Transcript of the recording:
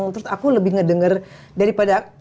terus aku lebih ngedengar daripada